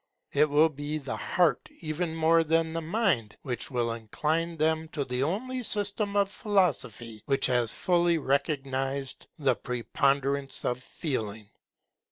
It will be the heart even more than the mind which will incline them to the only system of philosophy which has fully recognized the preponderance of Feeling.